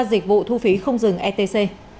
dịch vụ thu phí không dừng etc